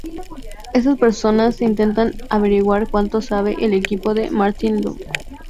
Estas personas intentan averiguar cuanto sabe el equipo de Martín Lloyd.